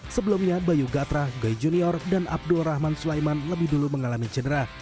sebelumnya bayu gatra gay junior dan abdul rahman sulaiman lebih dulu mengalami cedera